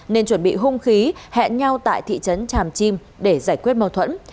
nên chuẩn bị hung khí hẹn nhau tại thị trấn tràm chim để giải quyết mâu thuẫn